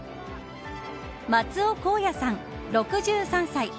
松尾公也さん６３歳。